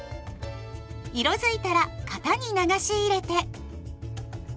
色づいたら型に流し入れて。